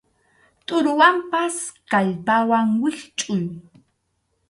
Tʼuruwanpas kallpawan wischʼuy.